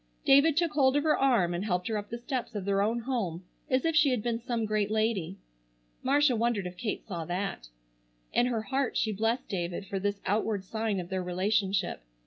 David took hold of her arm and helped her up the steps of their own home as if she had been some great lady. Marcia wondered if Kate saw that. In her heart she blessed David for this outward sign of their relationship.